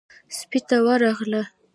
سپۍ ته ورغله.